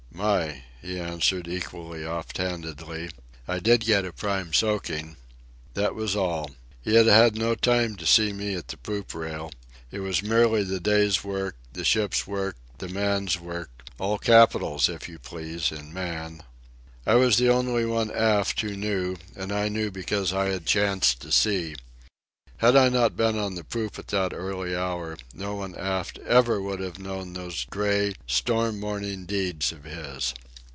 "My," he answered, equally off handedly, "I did get a prime soaking." That was all. He had had no time to see me at the poop rail. It was merely the day's work, the ship's work, the MAN'S work—all capitals, if you please, in MAN. I was the only one aft who knew, and I knew because I had chanced to see. Had I not been on the poop at that early hour no one aft ever would have known those gray, storm morning deeds of his.